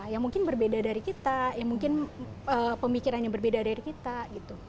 yang mungkin berbeda dari kita yang mungkin pemikiran yang berbeda dari kita gitu